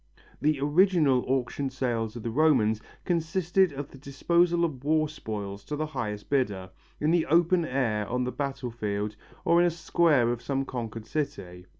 The original auction sales of the Romans consisted of the disposal of war spoils to the highest bidder, in the open air on the battlefield or in a square of some conquered city.